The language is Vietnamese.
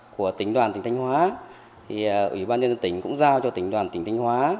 của tỉnh đoàn tỉnh thanh hóa thì ủy ban dân dân tỉnh cũng giao cho tỉnh đoàn tỉnh thanh hóa